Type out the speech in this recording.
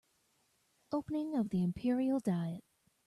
Opening of the Imperial diet